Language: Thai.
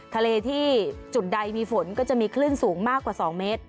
ทะเลที่จุดใดมีฝนก็จะมีคลื่นสูงมากกว่า๒เมตร